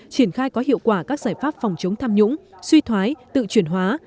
triển khai có hiệu quả các giải pháp phòng chống tham nhũng suy thoái tự chuyển hóa